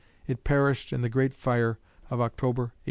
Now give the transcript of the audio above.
It perished in the great fire of October, 1871.